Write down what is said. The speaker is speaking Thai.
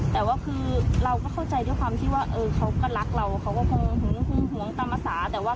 แต่ว่าคือเราก็เข้าใจด้วยความที่ว่าเออเขาก็รักเราเขาก็คงหวงตามภาษาแต่ว่า